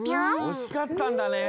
おしかったんだね。